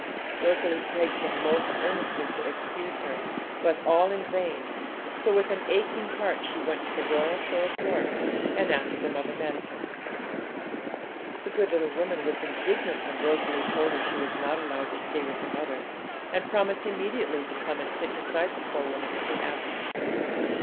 Rosalie begged him most earnestly to excuse her, but all in vain; so with an aching heart she went to the Royal Show of Dwarfs and asked for Mother Manikin. The good little woman was indignant when Rosalie told her she was not allowed to stay with her mother, and promised immediately to come and sit beside the poor woman in her absence.